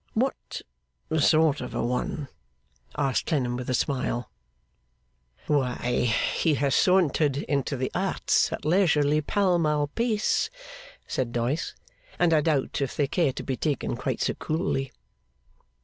'What sort of a one?' asked Clennam, with a smile. 'Why, he has sauntered into the Arts at a leisurely Pall Mall pace,' said Doyce, 'and I doubt if they care to be taken quite so coolly.